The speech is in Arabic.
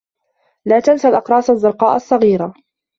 لا تنسَ الأقراص الزّرقاء الصّغيرة.